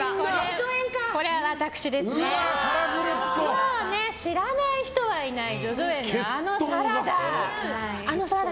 もう知らない人はいない叙々苑のあのサラダ。